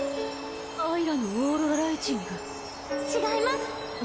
あいらのオーロラライジング？違います。